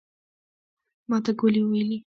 ماته ګولي وويلې.